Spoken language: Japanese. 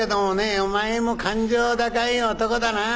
「お前も勘定高い男だなぁ。